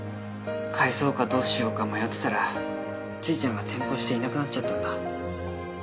返そうかどうしようか迷ってたらちーちゃんが転校していなくなっちゃったんだ。